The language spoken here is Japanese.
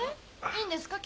いいんですか？